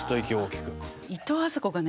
いとうあさこがね